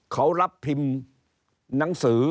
เขารับพิมพ์หนังสือ